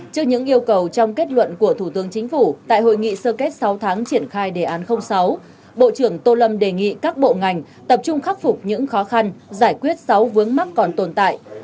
trước những yêu cầu trong kết luận của thủ tướng chính phủ tại hội nghị sơ kết sáu tháng triển khai đề án sáu bộ trưởng tô lâm đề nghị các bộ ngành tập trung khắc phục những khó khăn giải quyết sáu vướng mắc còn tồn tại